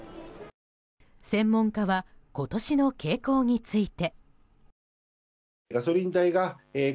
専門家は今年の傾向について。